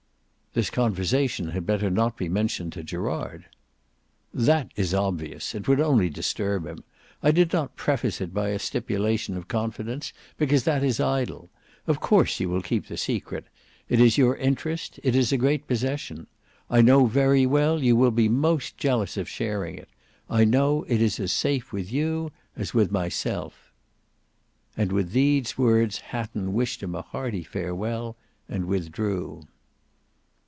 "This conversation had better not be mentioned to Gerard." "That is obvious; it would only disturb him. I did not preface it by a stipulation of confidence because that is idle. Of course you will keep the secret; it is your interest; it is a great possession. I know very well you will be most jealous of sharing it. I know it is as safe with you as with myself." And with these words Hatton wished him a hearty farewell and withdrew.